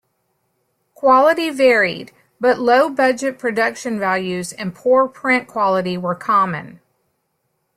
Quality varied, but low budget production values and poor print quality were common.